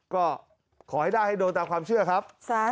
ก็ขอให้ได้ให้โดนตามความเชื่อครับ